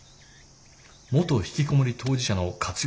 元ひきこもり当事者の活用